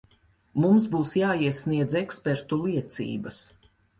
Mums būs jāsniedz ekspertu liecības.